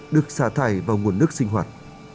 được xả thải vào nguồn nước sinh hoạt